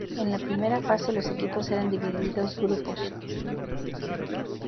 En la primera fase los equipos eran divididos grupos.